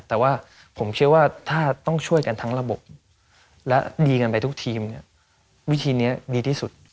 แต่ว่าผมเชื่อว่าถ้าต้องช่วยกันทั้งระบบและดีกันไปทุกทีมเนี่ยวิธีนี้ดีที่สุด